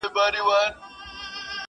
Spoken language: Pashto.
طوطي والوتی یوې او بلي خواته،